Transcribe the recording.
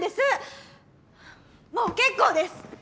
もう結構です！